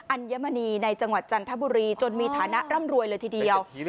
ัญมณีในจังหวัดจันทบุรีจนมีฐานะร่ำรวยเลยทีเดียว